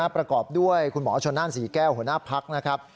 ประกอบด้วยคุณหมอชนนั่นศรีแก้วหัวหน้าพักนะครับ